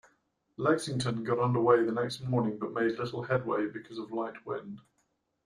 "Lexington" got underway the next morning but made little headway because of light wind.